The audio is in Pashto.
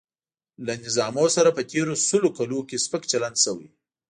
له نظامونو سره په تېرو سلو کلونو کې سپک چلن شوی.